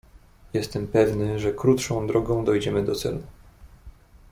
"Jestem pewny, że krótszą drogą dojdziemy do celu."